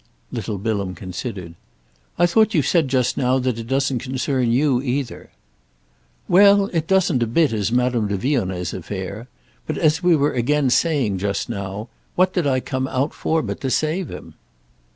Little Bilham considered. "I thought you said just now that it doesn't concern you either." "Well, it doesn't a bit as Madame de Vionnet's affair. But as we were again saying just now, what did I come out for but to save him?"